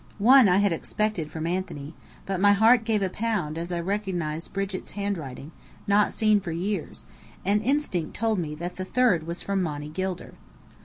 One I had expected from Anthony; but my heart gave a bound as I recognized Brigit's handwriting, not seen for years; and instinct told me that the third was from Monny Gilder.